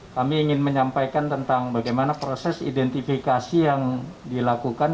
kami ingin menyampaikan tentang bagaimana proses identifikasi yang dilakukan